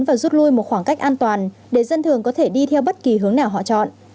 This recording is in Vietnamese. và rút lui một khoảng cách an toàn để dân thường có thể đi theo bất kỳ hướng nào họ chọn